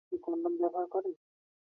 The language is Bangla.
আপনি কনডম ব্যবহার করেন?